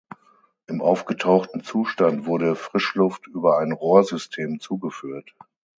Im aufgetauchten Zustand wurde Frischluft über ein Rohrsystem zugeführt.